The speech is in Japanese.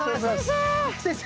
先生。